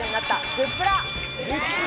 グップラ！